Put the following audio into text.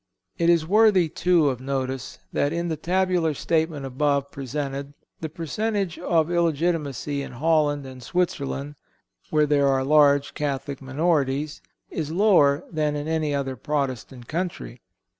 It is worthy, too, of notice, that in the tabular statement above presented the percentage of illegitimacy in Holland and Switzerland, where there are large Catholic minorities, is lower than in any other Protestant country.